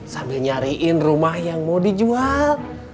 sambil nyariin rumah yang mau dijual